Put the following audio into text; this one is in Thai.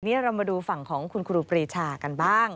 เรามาดูฝั่งของคุณครูปรีชากันบ้าง